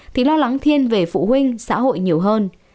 thì lo lắng thiên về phụ huynh xã hội nhiều hơn